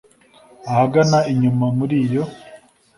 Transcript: ahagana inyuma muri iyo